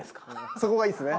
そこがいいですね。